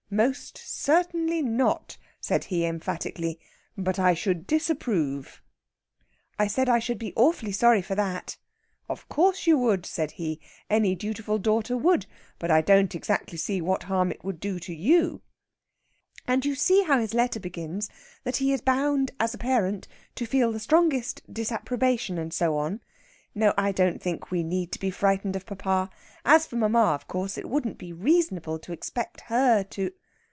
'Most certainly not,' said he emphatically. 'But I should disapprove.' I said I should be awfully sorry for that. 'Of course you would,' said he. 'Any dutiful daughter would. But I don't exactly see what harm it would do you.' And you see how his letter begins that he is bound, as a parent, to feel the strongest disapprobation, and so on. No, I don't think we need be frightened of papa. As for mamma, of course it wouldn't be reasonable to expect her to...."